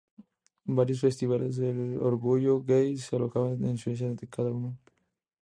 Varios festivales del orgullo gay se alojan en Suecia cada año.